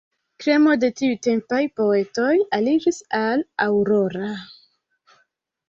Kremo de tiutempaj poetoj aliĝis al Aurora.